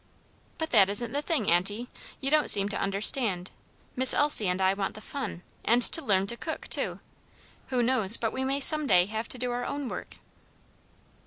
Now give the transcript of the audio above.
"But that isn't the thing, auntie; you don't seem to understand. Miss Elsie and I want the fun, and to learn to cook, too. Who knows but we may some day have to do our own work?"